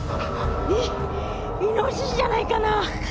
イイノシシじゃないかな。